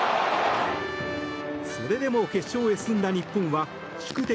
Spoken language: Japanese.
それでも決勝へ進んだ日本は宿敵